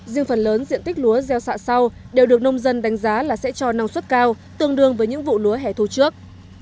riêng phần lớn diện tích lúa gieo xạ sau đều được nông dân đánh giá là sẽ cho năng suất cao tương đương với những vụ lúa hẻ thu trước